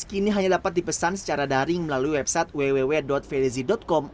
kini hanya dapat dipesan secara daring melalui website www fedzi com